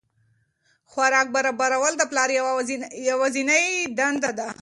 خوراک برابرول د پلار یوه ورځنۍ دنده ده.